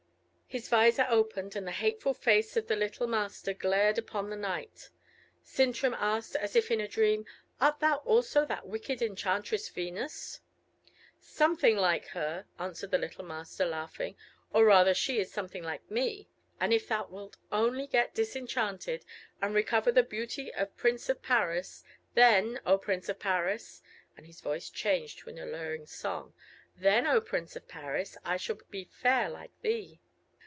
His visor opened, and the hateful face of the little Master glared upon the knight. Sintram asked, as if in a dream, "Art thou also that wicked enchantress Venus?" "Something like her," answered the little Master, laughing, "or rather she is something like me. And if thou wilt only get disenchanted, and recover the beauty of Prince of Paris, then, O Prince Paris," and his voice changed to an alluring song, "then, O Prince Paris, I shall be fair like thee!"